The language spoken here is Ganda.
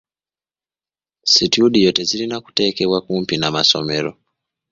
Situdiyo tezirina kuteekebwa kumpi n'amasomero.